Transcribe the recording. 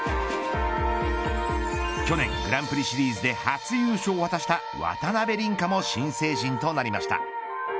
去年グランプリシリーズで初優勝を果たした渡辺倫果も新成人となりました。